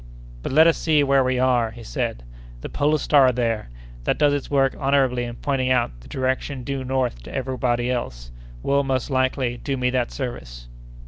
"But let us see where we are," he said. "The polar star there, that does its work honorably in pointing out the direction due north to everybody else, will, most likely, do me that service."